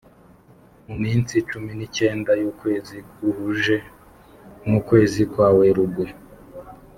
mu minsi cumi ni cyenda y’ukwezi guhuje n’ukwezi kwa werurwe